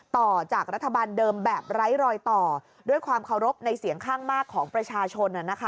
ต่อจากรัฐบาลเดิมแบบไร้รอยต่อด้วยความเคารพในเสียงข้างมากของประชาชน